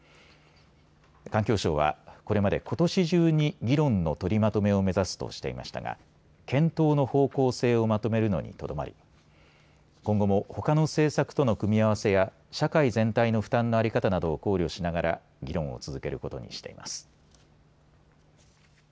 環境省はこれまでことし中に議論の取りまとめを目指すとしていましたが検討の方向性をまとめるのにとどまり今後もほかの政策との組み合わせや社会全体の負担の在り方などを考慮しながら議論を続けることにしています。